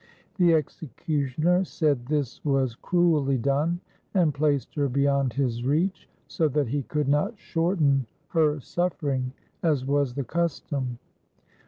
The executioner said this was cruelly done, and placed her beyond his reach, so that he could not shorten her suffering, as was the custom.